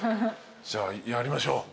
じゃあやりましょう。